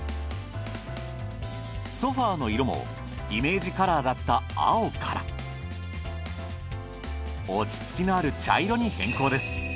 ソファーの色もイメージカラーだった青から落ち着きのある茶色に変更です。